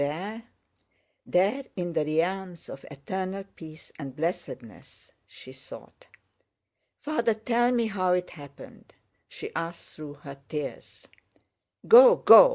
There in the realms of eternal peace and blessedness?" she thought. "Father, tell me how it happened," she asked through her tears. "Go! Go!